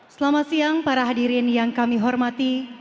selamat siang para hadirin yang kami hormati